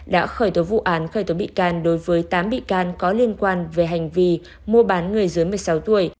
đã khởi tố vụ án khởi tố bị can đối với tám bị can có liên quan về hành vi mua bán người dưới một mươi sáu tuổi